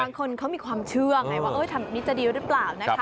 บางคนเขามีความเชื่อว่าทำงานนี้จะดีรึเปล่า